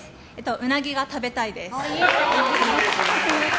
ウナギが食べたいです。